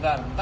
ntar ming ya